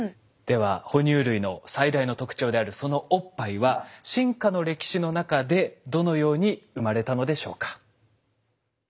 では哺乳類の最大の特徴であるそのおっぱいは進化の歴史の中でどのように生まれたのでしょうか。